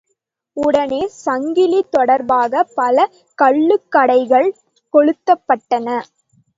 உடனே சங்கிலித் தொடர்பாகப் பல கள்ளுக்கடைகள் கொளுத்தப்பட்டன.